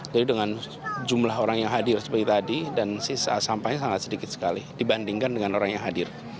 jadi dengan jumlah orang yang hadir seperti tadi dan sampahnya sangat sedikit sekali dibandingkan dengan orang yang hadir